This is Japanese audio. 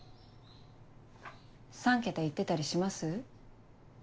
３桁行ってたりします？